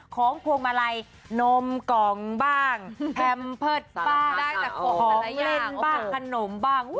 ของผ่วงมาลัยนมกองบ้างแท็มเผิดบ้างของเล่นบ้างขนมบ้าง